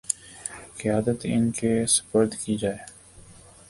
قیادت ان کے سپرد کی جائے